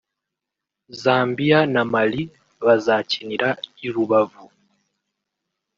Zambia na Mali (bazakinira i Rubavu)